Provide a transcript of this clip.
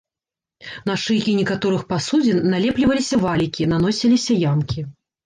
На шыйкі некаторых пасудзін налепліваліся валікі, наносіліся ямкі.